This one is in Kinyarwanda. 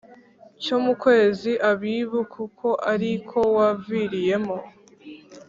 cyo mu kwezi Abibu kuko ari ko waviriyemo